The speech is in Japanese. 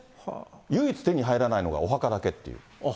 唯一手に入らないのが、お墓だけっていう。